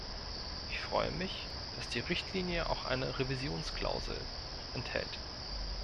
Ich freue mich, dass die Richtlinie auch eine Revisionsklausel enthält.